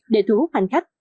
để thu hút hành khách